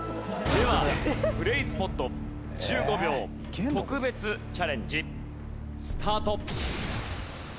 ではブレイズポッド１５秒特別チャレンジ。スタート。